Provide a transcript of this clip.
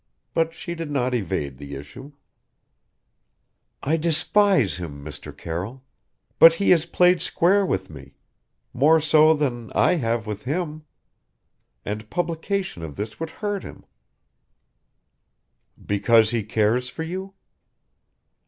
But she did not evade the issue "I despise him, Mr. Carroll. But he has played square with me more so than I have with him. And publication of this would hurt him " "Because he cares for you?"